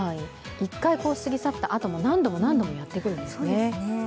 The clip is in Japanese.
１回過ぎ去ったあとも何度も何度もやってくるんですね。